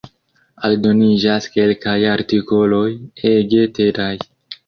Aldoniĝas kelkaj artikoloj ege tedaj.